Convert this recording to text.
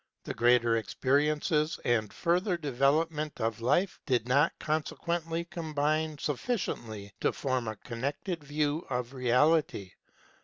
The greater experiences and further development of life did not consequently combine sufficiently to form a connected view of Reality.